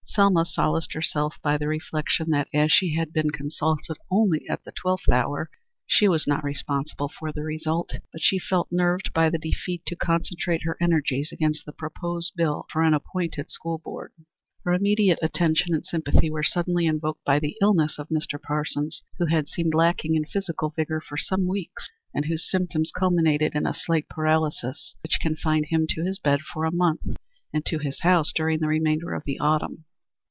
Selma solaced herself by the reflection that, as she had been consulted only at the twelfth hour, she was not responsible for the result, but she felt nerved by the defeat to concentrate her energies against the proposed bill for an appointed school board. Her immediate attention and sympathy were suddenly invoked by the illness of Mr. Parsons, who had seemed lacking in physical vigor for some weeks, and whose symptoms culminated in a slight paralysis, which confined him to his bed for a month, and to his house during the remainder of the autumn.